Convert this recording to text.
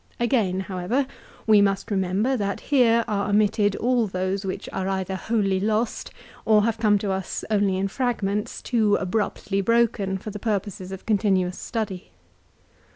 Again, how ever, we must remember that here are omitted all those which are either wholly lost or have come to us only in fragments too abruptly broken for the purposes of continuous study.